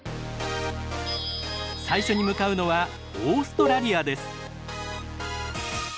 最初に向かうのはオーストラリアです。